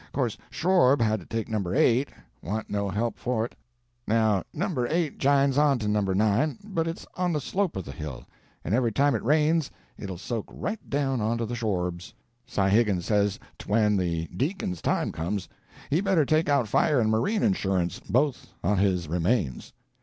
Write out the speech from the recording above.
'Course Shorb had to take No. 8; wa'n't no help for 't. Now, No. 8 jines onto No. 9, but it's on the slope of the hill, and every time it rains it 'll soak right down onto the Shorbs. Si Higgins says 't when the deacon's time comes, he better take out fire and marine insurance both on his remains."